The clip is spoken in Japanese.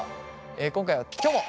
今回はきょも。